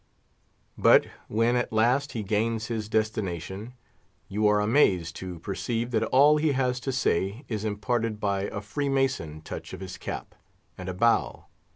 But when at last he gains his destination, you are amazed to perceive that all he has to say is imparted by a Freemason touch of his cap, and a bow.